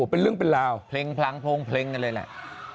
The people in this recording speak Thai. เป็นเรื่องเป็นราวเพลงส์พร้องส์โทงส์เพลงส์ตรงนั้นเลยแหละ